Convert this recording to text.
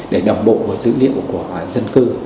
để đồng bộ với dữ liệu của dân cư